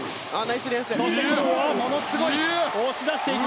そして、ものすごい押し出していく。